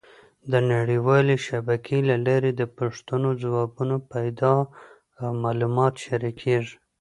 د نړیوالې شبکې له لارې د پوښتنو ځوابونه پیدا او معلومات شریکېږي.